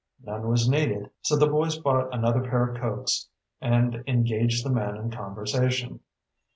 None was needed, so the boys bought another pair of Cokes and engaged the man in conversation.